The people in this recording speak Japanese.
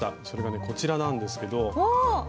それがねこちらなんですけど。